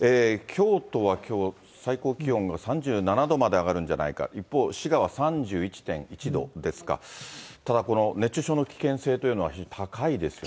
京都はきょう、最高気温が３７度まで上がるんじゃないか、一方、滋賀は３１．１度ですか、ただ、この熱中症の危険性というのは非常に高いですよね。